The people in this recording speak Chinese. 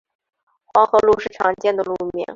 黄河路是常见的路名。